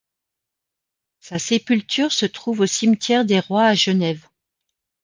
Sa sépulture se trouve au Cimetière des Rois à Genève.